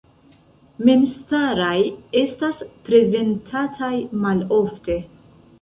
Memstaraj estas prezentataj malofte.